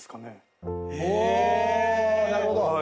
なるほど。